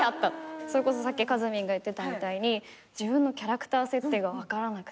それこそさっきかずみんが言ってたみたいに自分のキャラクター設定が分からなくて。